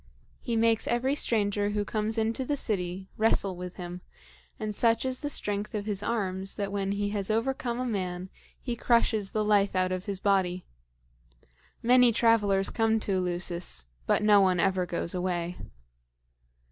He makes every stranger who comes into the city wrestle with him; and such is the strength of his arms that when he has overcome a man he crushes the life out of his body. Many travelers come to Eleusis, but no one ever goes away."